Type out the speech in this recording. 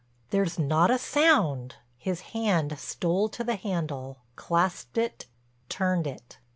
There's not a sound." His hand stole to the handle, clasped it, turned it.